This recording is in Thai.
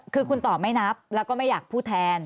คือคุณตอบไม่นับแล้วก็ไม่อยากพูดแทน